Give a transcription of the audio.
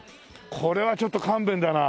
これはちょっと勘弁だな。